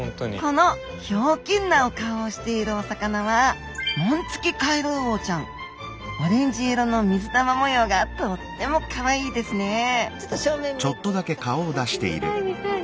このひょうきんなお顔をしているお魚はオレンジ色の水玉模様がとってもかわいいですねちょっと正面向いてください。